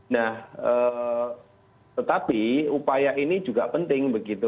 nah tetapi upaya ini juga penting begitu